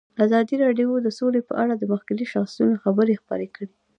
ازادي راډیو د سوله په اړه د مخکښو شخصیتونو خبرې خپرې کړي.